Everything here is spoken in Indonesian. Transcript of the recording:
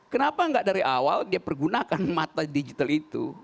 kenapa tidak dari awal dia menggunakan mata digital itu